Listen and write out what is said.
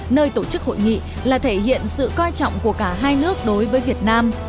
nơi tổ chức hội nghị là thể hiện sự coi trọng của cả hai nước đối với việt nam